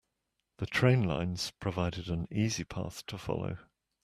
The train lines provided an easy path to follow.